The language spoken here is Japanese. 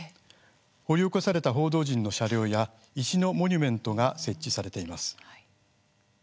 掘り起こされた報道陣の車両や石のモニュメントが設置されています。